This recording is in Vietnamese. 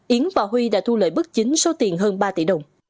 yến và huy đã thu lợi bức chính số tiền hơn ba tỷ đồng